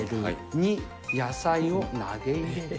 ２、野菜を投げ入れる。